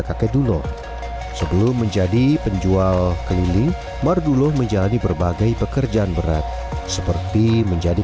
kakek duno sebelum menjadi penjual keliling marduloh menjalani berbagai pekerjaan berat seperti menjadi